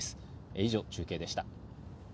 以上、中継でした。